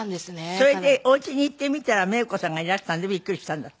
それでお家に行ってみたらメイコさんがいらしたんでびっくりしたんだって？